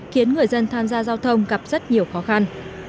khiến người dân tham gia giao thông gặp rất nhiều khó khăn